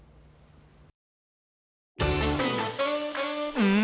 うん？